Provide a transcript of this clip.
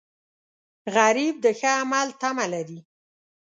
غریب د ښه عمل تمه لري